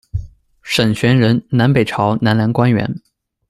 沈旋人，南北朝南梁官员。